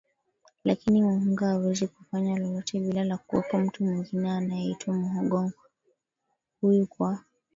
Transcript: Lakini Muhunga hawezi kufanya lolote bila ya kuwepo mtu mwingine anayeitwa Mghongo huyu kwa